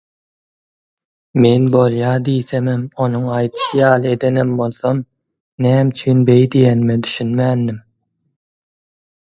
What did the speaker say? Men bolýa diýsemem, onuň aýdyşy ýaly edenem bolsam, näme üçin beý diýenine düşünmändim.